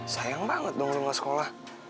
sayang banget dong lo gak sekolah